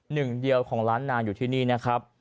หนึ่งเดียวของล้านนานอยู่ที่นี่นะครับ